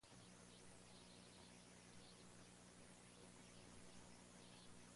En cualquier caso, el meteorito no muestra signos de mucha oxidación.